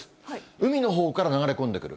海のほうから流れ込んでくる。